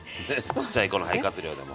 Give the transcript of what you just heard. ちっちゃい子の肺活量でも。